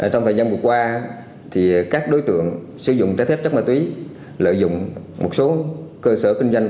trong thời gian vừa qua các đối tượng sử dụng trái phép chất ma túy lợi dụng một số cơ sở kinh doanh